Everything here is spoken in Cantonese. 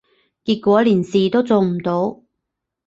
結果連事都做唔到